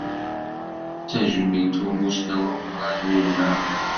D tajmilt i umussnaw ameqqran Mulud Mɛemmri.